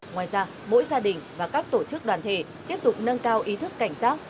ngoài ra mỗi gia đình và các tổ chức đoàn thể tiếp tục nâng cao ý thức cảnh giác